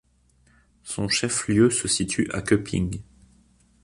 Son chef-lieu se situe à Köping.